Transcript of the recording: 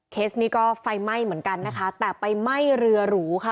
นี้ก็ไฟไหม้เหมือนกันนะคะแต่ไปไหม้เรือหรูค่ะ